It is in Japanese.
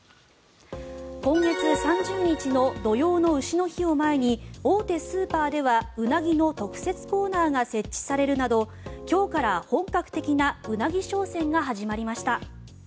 今月３０日の土用の丑の日を前に大手スーパーではウナギの特設コーナーが設置されるなど今日から本格的なウナギ商戦が始まりました。